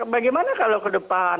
bagaimana kalau ke depan